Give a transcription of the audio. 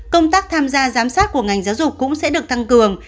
công tác tham gia giám sát của ngành giáo dục cũng sẽ được tăng cường